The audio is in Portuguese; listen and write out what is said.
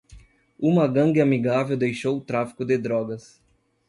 Uma gangue amigável deixou o tráfico de drogas.